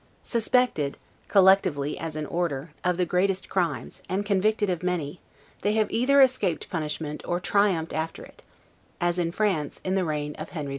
Suspected, collectively as an order, of the greatest crimes, and convicted of many, they have either escaped punishment, or triumphed after it; as in France, in the reign of Henry IV.